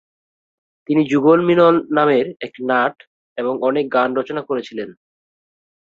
তিনি "যুগল মিলন" নামের একটি নাট এবং অনেক গান রচনা করেছিলেন।